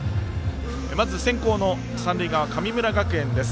まず先攻の三塁側、神村学園です。